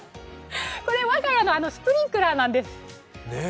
これ、我が家のスプリンクラーなんです。